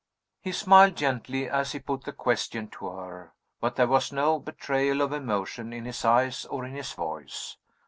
He smiled gently as he put the question to her, but there was no betrayal of emotion in his eyes or in his voice.